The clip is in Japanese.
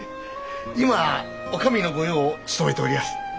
今はお上の御用を務めておりやす。